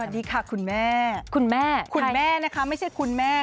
สวัสดีค่ะคุณแม่คุณแม่คุณแม่นะคะไม่ใช่คุณแม่